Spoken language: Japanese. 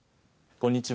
こんにちは。